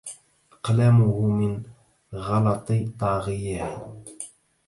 أقلامه من غلط طاغيه